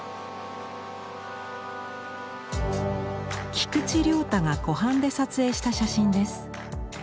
菊地良太が湖畔で撮影した写真です。